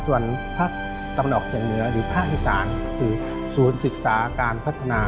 ส่วนภาคตำนอกเสียงเหนือหรือภาคอิสานคือศูนย์ศึกษาการพัฒนาภูผ่านนะครับ